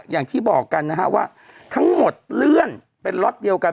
อย่างที่บอกกันนะฮะว่าทั้งหมดเลื่อนเป็นล็อตเดียวกัน